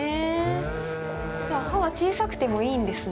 歯は小さくてもいいんですね。